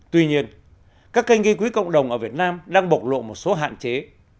tuy nhiên các kênh gây quỹ cộng đồng ở việt nam đang bộc lộ một số hạn chế